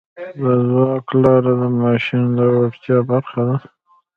د ځواک لاره د ماشین د وړتیا برخه ده.